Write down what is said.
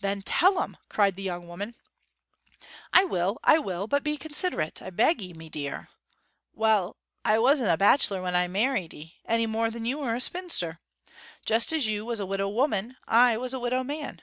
'Then tell 'em!' cried the young woman. 'I will I will. But be considerate, I beg 'ee, mee deer. Well I wasn't a bachelor when I married 'ee, any more than you were a spinster. Just as you was a widow woman, I was a widow man.'